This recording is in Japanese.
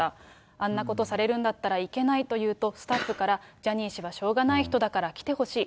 あんなことされるんだったら、行けないと言うと、スタッフからジャニー氏はしょうがない人だから来てほしい。